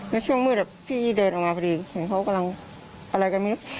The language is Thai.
ในช่วงมืดพี่เดินออกมาพอดีเห็นเขากำลังอะไรกันไม่รู้